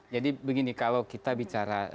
jadi begini kalau kita bicara